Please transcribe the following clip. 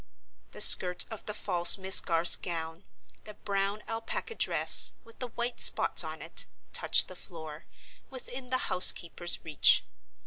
The skirt of the false Miss Garth's gown—the brown alpaca dress, with the white spots on it—touched the floor, within the housekeeper's reach.